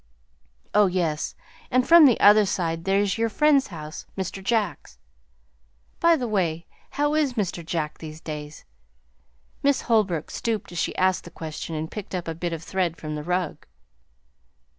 Oh yes, and from the other side there's your friend's house Mr. Jack's. By the way, how is Mr. Jack these days?" Miss Holbrook stooped as she asked the question and picked up a bit of thread from the rug.